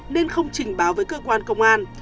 nên không trình báo với cơ quan công an